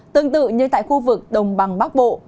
tương tự như tại khu vực đồng bằng bắc bộ